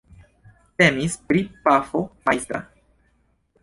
Temis pri pafo majstra.